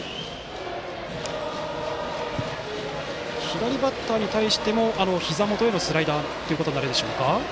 左バッターに対してもひざ元へのスライダーということになるでしょうか？